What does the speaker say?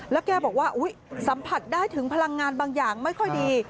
แล้วแกบอกว่าสัมผัสได้ถึงพลังงานบางอย่างไม่ค่อยดี